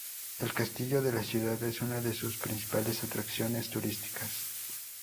El castillo de la ciudad es una de sus principales atracciones turísticas.